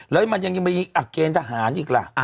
แล้วมันยังมีอักเกณฑ์ทหารอีกล่ะ